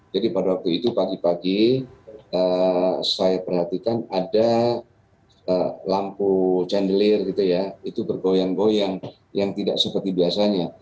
jadi pada waktu itu pagi pagi saya perhatikan ada lampu candelir itu bergoyang goyang yang tidak seperti biasanya